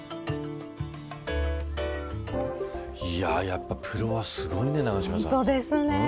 やっぱプロはすごいね永島さん。